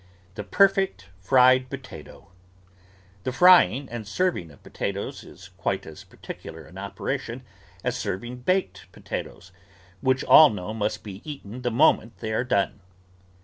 THE PERFECT FRIED POTATO The frying and serving of potatoes is quite as particular an operation as serving baked potatoes, which all know must be eaten the moment they are done.